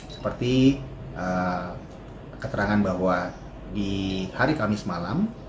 seperti keterangan bahwa di hari kamis malam